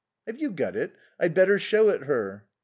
"Have you got it? I'd better show it her."